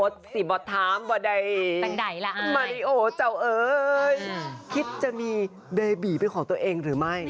เดบีเป็นของตัวเองหรือไม่